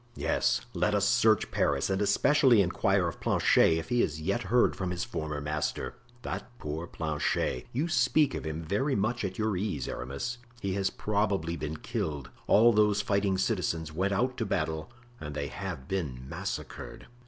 "Yes, let us search Paris and especially inquire of Planchet if he has yet heard from his former master." "That poor Planchet! You speak of him very much at your ease, Aramis; he has probably been killed. All those fighting citizens went out to battle and they have been massacred."